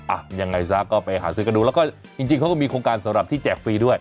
อ่ะยังไงซะก็ไปหาซื้อกันดูแล้วก็จริงเขาก็มีโครงการสำหรับที่แจกฟรีด้วย